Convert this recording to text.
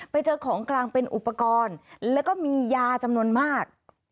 ไปเจอของกลางเป็นอุปกรณ์แล้วก็มียาจำนวนมาก